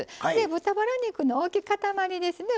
豚バラ肉の大きい塊ですね